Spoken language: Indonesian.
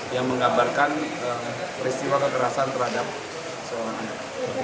yang menggambarkan peristiwa kekerasan terhadap seorang anak